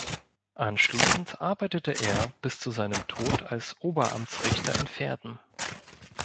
Anschließend arbeitete er bis zu seinem Tod als Oberamtsrichter in Verden.